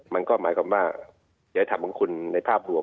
มันก็หมายความว่าจัยธรรมของคุณในภาพรวม